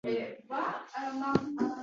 Yuzimga loy surtdi megajin